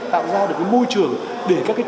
tạo ra được môi trường để các chủ yếu